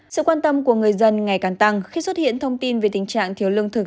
sự quan tâm của người dân ngày càng tăng khi xuất hiện thông tin về tình trạng thiếu lương thực